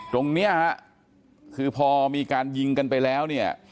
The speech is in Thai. ตรงนี้ฮะคือพอมีการยิงกันไปแล้วเนี่ย